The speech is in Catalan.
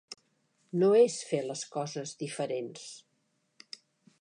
No és fer les coses diferents.